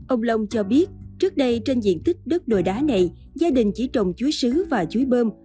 ông long cho biết trước đây trên diện tích đất đồi đá này gia đình chỉ trồng chuối xứ và chuối bơm